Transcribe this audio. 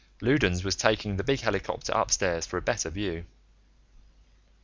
Loudons was taking the big helicopter upstairs, for a better view.